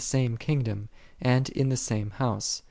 AUGUSTIN. kingdom, and in the same house.